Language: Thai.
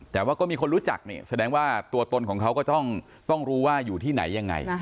แต่ว่าก็มีคนรู้จักเนี่ยแสดงว่าตัวตนของเขาก็ต้องรู้ว่าอยู่ที่ไหนยังไง